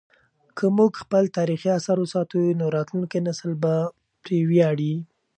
که موږ خپل تاریخي اثار وساتو نو راتلونکی نسل به پرې ویاړي.